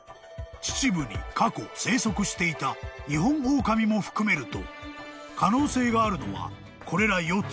［秩父に過去生息していたニホンオオカミも含めると可能性があるのはこれら４つの動物だという］